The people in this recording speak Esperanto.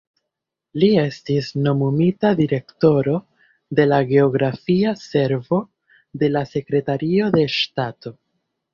Li estis nomumita direktoro de la geografia servo de la Sekretario de Ŝtato.